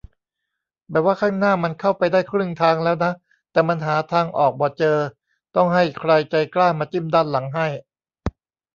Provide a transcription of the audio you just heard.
แบบว่าข้างหน้ามันเข้าไปได้ครึ่งทางแล้วนะ แต่มันหาทางออกบ่เจอ ต้องให้ใครใจกล้ามาจิ้มด้านหลังให้